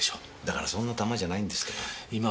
だからそんなタマじゃないんですってば。